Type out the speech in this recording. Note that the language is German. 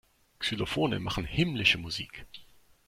Xylophone machen himmlische Musik.